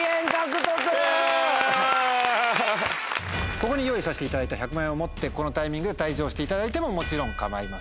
ここに用意させていただいた１００万円を持ってこのタイミングで退場していただいてももちろん構いません。